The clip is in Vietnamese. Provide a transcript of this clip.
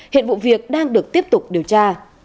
hiện vụ việc đang được tiếp tục điều tra